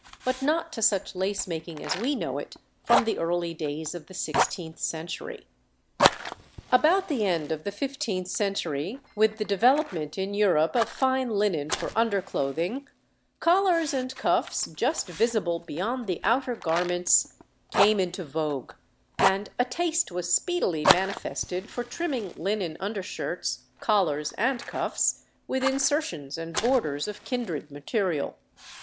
but not to such lace making as we know it from the early days of the sixteenth century. About the end of the fifteenth century, with the development in Europe of fine linen for underclothing, collars and cuffs just visible beyond the outer garments came into vogue, and a taste was speedily manifested for trimming linen undershirts, collars and cuffs, with insertions and borders of kindred material.